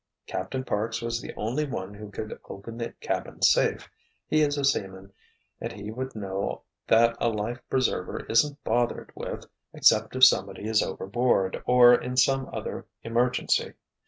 Captain Parks was the only one who could open the cabin safe. He is a seaman, and he would know that a life preserver isn't bothered with except if somebody is overboard or in some other emergency.